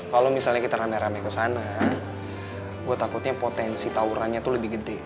kalo misalnya kita rame rame kesana gue takutnya potensi tawurannya tuh lebih gede